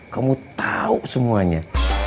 kamu tahu semuanya